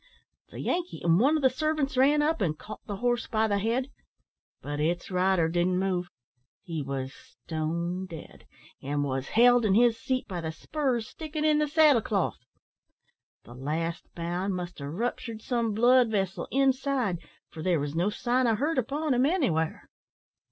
The Yankee an' one o' the servants ran up, and caught the horse by the head, but its rider didn't move he was stone dead, and was held in his seat by the spurs sticking in the saddle cloth. The last bound must have ruptured some blood vessel inside, for there was no sign of hurt upon him anywhere."